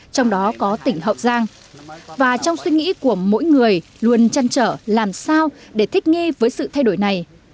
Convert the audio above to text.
trong đó có tỉnh hậu giang và trong suy nghĩ của mỗi người luôn chăn trở làm sao để thích nghi với sự thay đổi này